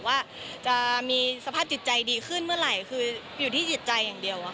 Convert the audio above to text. ว่าจะมีสภาพจิตใจดีขึ้นเมื่อไหร่คืออยู่ที่จิตใจอย่างเดียว